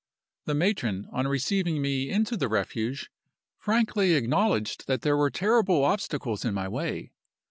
"The matron, on receiving me into the Refuge, frankly acknowledged that there were terrible obstacles in my way.